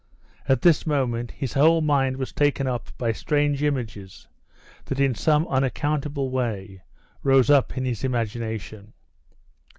At this moment his whole mind was taken up by strange images that in some unaccountable way rose up in his imagination.